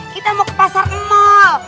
kita mau ke pasar emal